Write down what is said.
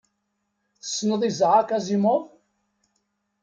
Tessneḍ Isaac Asimov?